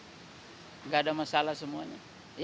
enggak ada masalah semuanya